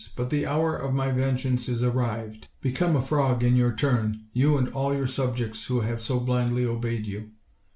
But the hour of my vengeance is arrived: become a frog in your turn, you and all your subjects who have so blindly obeyed you.